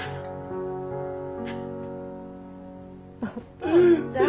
お父ちゃん。